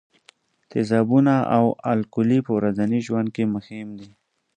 تیزابونه او القلي په ورځني ژوند کې مهم دي.